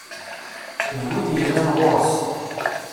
D win yellan ɣur-s.